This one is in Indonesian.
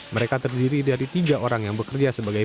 mereka terdiri dari tiga orang yang bekerja sebagai